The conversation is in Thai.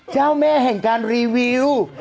เจ้าแม่แห่งการรีวิว